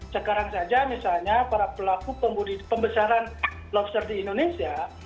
sekarang saja misalnya para pelaku pembesaran lobster di indonesia